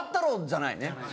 じゃないね。